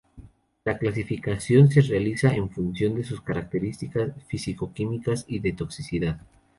La clasificación se realiza en función de sus características físico-químicas y de toxicidad.